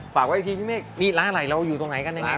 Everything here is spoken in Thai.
ฝากไว้อีกทีพี่เมฆร้านอะไหล่เราอยู่ตรงไหนกันอย่างไรครับ